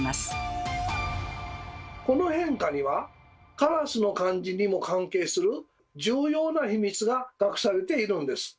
この変化にはカラスの漢字にも関係する重要な秘密が隠されているんです。